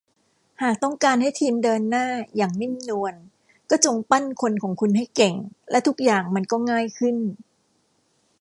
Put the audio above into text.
หากต้องการให้ทีมเดินหน้าอย่างนิ่มนวลก็จงปั้นคนของคุณให้เก่ง และทุกอย่างมันก็ง่ายขึ้น